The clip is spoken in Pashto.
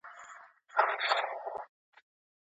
په تګ کي شورماشور نه جوړېږي.